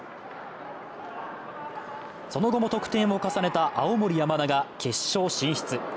その後も得点を重ねた青森山田が決勝進出。